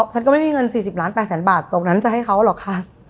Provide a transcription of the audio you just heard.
ฉันก็ไม่มีเงิน๔๐ล้าน๘แสนบาทตรงนั้นจะให้เขาหรอกค่ะ